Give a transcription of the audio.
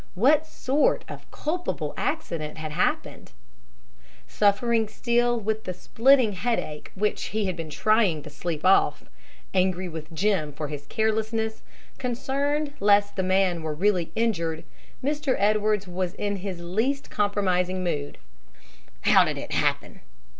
What sort of culpable accident had happened? Suffering still with the splitting headache which he had been trying to sleep off, angry with Jim for his carelessness, concerned lest the man were really injured, Mr. Edwards was in his least compromising mood. "How did it happen?"